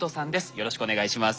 よろしくお願いします。